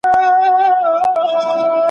ماهر تر نورو خلګو ډېر پوهېده.